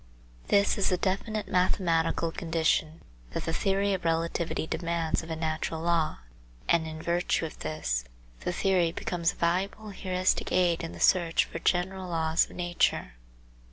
This is a definite mathematical condition that the theory of relativity demands of a natural law, and in virtue of this, the theory becomes a valuable heuristic aid in the search for general laws of nature.